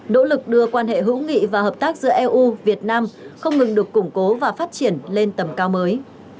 nỗ lực đưa quan hệ hữu nghị và hợp tác giữa eu việt nam không ngừng được củng cố và phát triển lên tầm cao mới